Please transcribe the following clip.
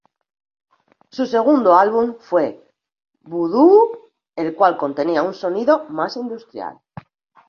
Su segundo álbum fue "Voodoo-U", el cual contenía un sonido más industrial.